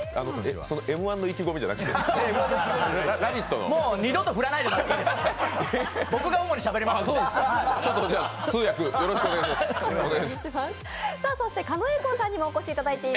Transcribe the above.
Ｍ−１の意気込みじゃなくて「ラヴィット！」のもう二度と振らないでください。